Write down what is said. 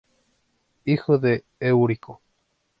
Hijo de Eurico.